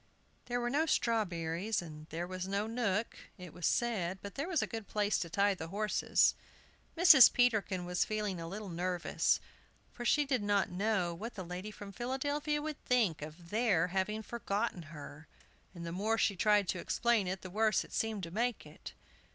There were no strawberries, and there was no nook, it was said, but there was a good place to tie the horses. Mrs. Peterkin was feeling a little nervous, for she did not know what the lady from Philadelphia would think of their having forgotten her, and the more she tried to explain it, the worse it seemed to make it.